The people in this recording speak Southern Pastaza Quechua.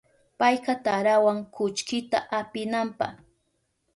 Payka tarawan kullkita apinanpa.